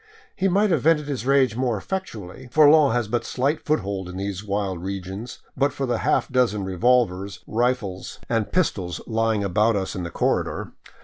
He might have vented his rage more effectually, for law has but slight foothold in these wild regions, but for the half dozen revolvers, rifles, and pis 531 VAGABONDING DOWN THE ANDES tols lying about us in the corredor.